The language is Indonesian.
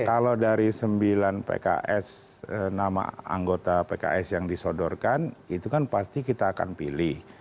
kalau dari sembilan pks nama anggota pks yang disodorkan itu kan pasti kita akan pilih